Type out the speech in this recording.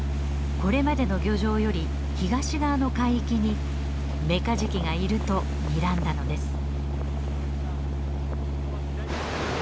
これまでの漁場より東側の海域にメカジキがいるとにらんだのです。